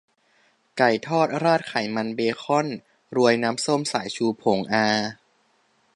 ไก่ทอดราดไขมันเบคอนโรยน้ำส้มสายชูผง อา